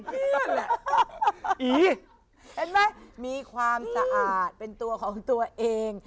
เห็นมั้ยมีความสะอาดมีตัวของตัวเอง